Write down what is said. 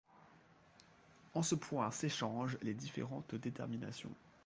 En ce point s'échangent les différentes déterminations.